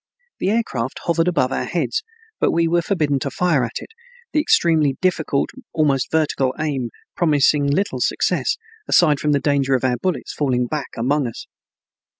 The air craft hovered above our heads, but we were forbidden to fire at it, the extremely difficult, almost vertical aim promising little success, aside from the danger of our bullets falling back among us.